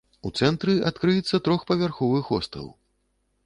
У цэнтры адкрыецца трохпавярховы хостэл.